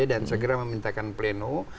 dan segera memintakan pleno